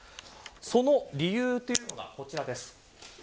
その理由というのがこちらです。